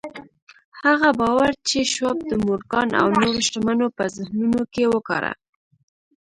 هغه باور چې شواب د مورګان او نورو شتمنو په ذهنونو کې وکاره.